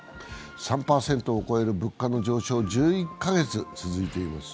４％を超える物価の上昇は１１か月続いています。